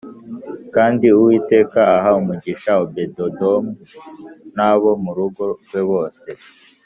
kandi Uwiteka aha umugisha Obededomu n’abo mu rugo rwe bose.